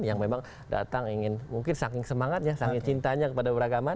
yang memang datang ingin mungkin saking semangatnya saking cintanya kepada beragama